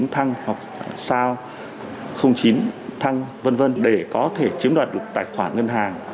thăng hoặc sao chín thăng v v để có thể chiếm đoạt được tài khoản ngân hàng